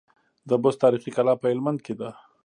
د بست تاريخي کلا په هلمند کي ده